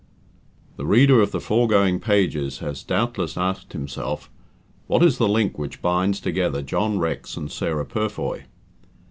The reader of the foregoing pages has doubtless asked himself, "what is the link which binds together John Rex and Sarah Purfoy?"